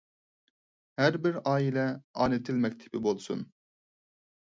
ھەر بىر ئائىلە ئانا تىل مەكتىپى بولسۇن!